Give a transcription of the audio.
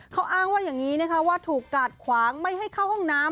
เขาอ้างว่าอย่างนี้นะคะว่าถูกกาดขวางไม่ให้เข้าห้องน้ำ